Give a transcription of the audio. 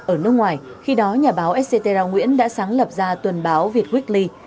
ở nước ngoài khi đó nhà báo etcetera nguyễn đã sáng lập ra tuần báo việt weekly